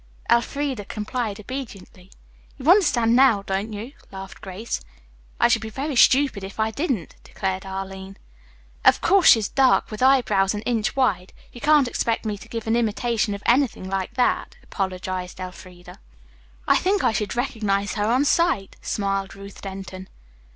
Elfreda complied obediently. "You understand now, don't you?" laughed Grace. "I should be very stupid if I didn't," declared Arline. "Of course she's dark, with eyebrows an inch wide. You can't expect me to give an imitation of anything like that," apologized Elfreda. "I think I should recognize her on sight," smiled Ruth Denton.